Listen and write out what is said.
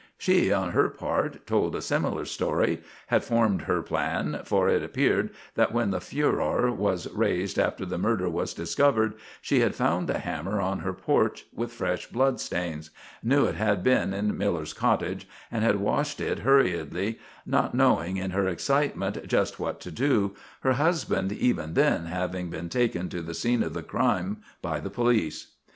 She, on her part, told a similar story, had formed her plan, for it appeared that when the furor was raised after the murder was discovered she had found the hammer on her porch with fresh blood stains; knew it had been in Miller's cottage, and had washed it hurriedly, not knowing in her excitement just what to do, her husband even then having been taken to the scene of the crime by the police.